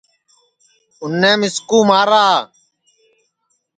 اُنیں مِسکُو مارا